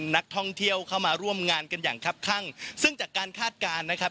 นักท่องเที่ยวเข้ามาร่วมงานกันอย่างครับข้างซึ่งจากการคาดการณ์นะครับ